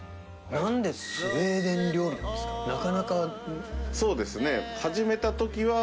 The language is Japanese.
燭スウェーデン料理なんですか？